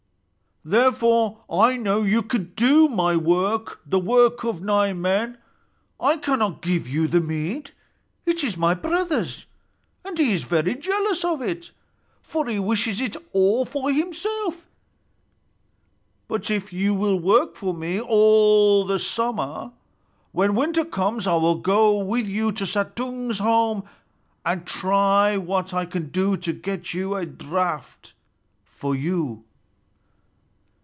Therefore I know that you can do my work, the work of nine men. I cannot give you the mead. It is my brother's, and he is very jealous of it, for he wishes it all himself. But if you will work for me all the summer, when winter comes I will go with you to Suttung's home and try what I can do to get a draught for you."